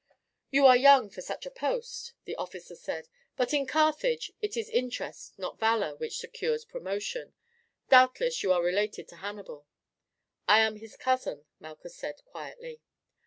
"You are young for such a post," the officer said; "but in Carthage it is interest not valour which secures promotion. Doubtless you are related to Hannibal." "I am his cousin," Malchus said quietly.